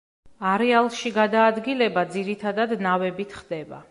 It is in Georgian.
არეალში გადაადგილება ძირითადად ნავებით ხდება.